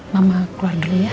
mama keluar dulu ya